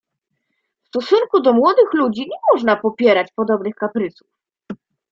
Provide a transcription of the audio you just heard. "W stosunku do młodych ludzi nie można popierać podobnych kaprysów."